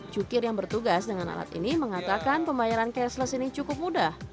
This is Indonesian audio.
jukir yang bertugas dengan alat ini mengatakan pembayaran cashless ini cukup mudah